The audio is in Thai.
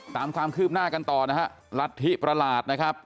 ตามความคืบหน้ากันต่อนะฮะรัฐธิประหลาดนะครับ